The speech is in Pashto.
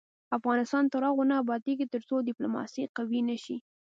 افغانستان تر هغو نه ابادیږي، ترڅو ډیپلوماسي قوي نشي.